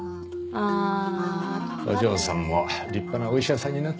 お嬢さんも立派なお医者さんになって。